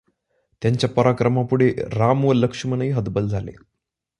त्यांच्या पराक्रमापुढे राम व ल्क्ष्मणही हतबल झाले.